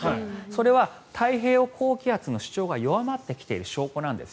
それは太平洋高気圧の主張が弱まってきている証拠なんです。